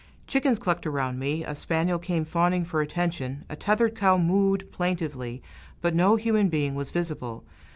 Chickens clucked around me, a spaniel came fawning for attention, a tethered cow mooed plaintively, but no human being was visible.